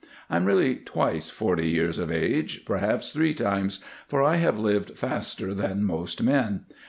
I'm really twice forty years of age, perhaps three times, for I have lived faster than most men.